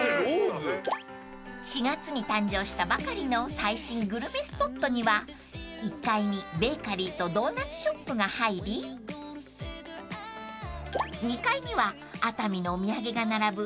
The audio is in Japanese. ［４月に誕生したばかりの最新グルメスポットには１階にベーカリーとドーナツショップが入り２階には熱海のお土産が並ぶ